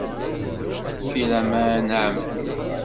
Filaman a Ɛemti.